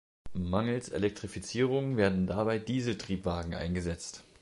Mangels Elektrifizierung werden dabei Dieseltriebwagen eingesetzt.